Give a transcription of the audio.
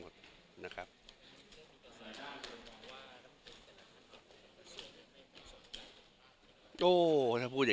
มันมีความว่า